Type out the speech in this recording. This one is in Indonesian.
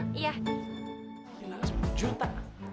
dia minta sepuluh juta